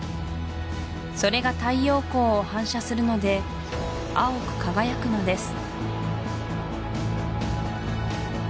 それが太陽光を反射するので青く輝くのです